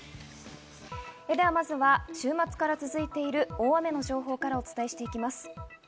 まずは週末から続いている大雨の情報からお伝えします。